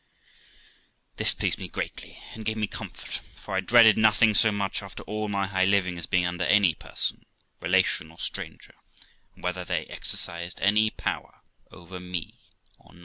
This pleased me greatly, and gave me comfort, for I dreaded nothing so much, after all my high living, as being under any person, relation or stranger, and whether they exercised any power over me or not.